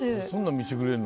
見せてくれんの。